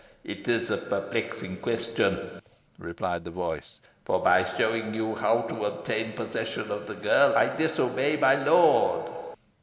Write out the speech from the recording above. "It is a perplexing question," replied the voice; "for, by showing you how to obtain possession of the girl, I disobey my lord."